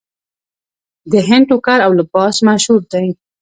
د هند ټوکر او لباس مشهور دی.